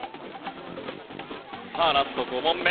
さあラスト５問目。